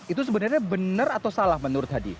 itu sebenarnya benar atau salah menurut hadi